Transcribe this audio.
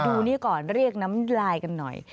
ดูนี่ก่อนเรียกน้ำลายกันหน่อย